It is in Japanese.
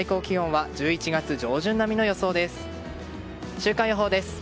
週間予報です。